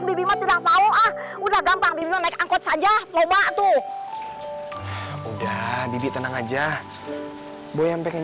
bibim tidak tahu ah udah gampang dimana ikut saja lo mbak tuh udah bibi tenang aja boy yang pengen